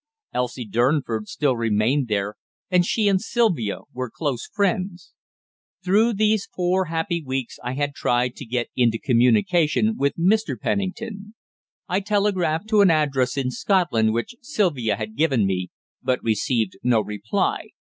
Elsie Durnford still remained there, and she and Sylvia were close friends. Through those four happy weeks I had tried to get into communication with Mr. Pennington. I telegraphed to an address in Scotland which Sylvia had given me, but received no reply.